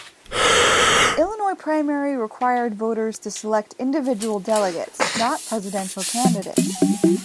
The Illinois primary required voters to select individual delegates, not presidential candidates.